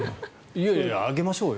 いやいや上げましょうよ。